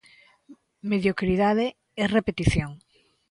Mediocridade é repetición.